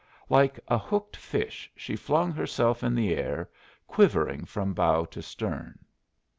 Like a hooked fish, she flung herself in the air, quivering from bow to stern.